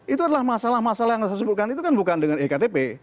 itu adalah masalah masalah yang saya sebutkan itu kan bukan dengan ektp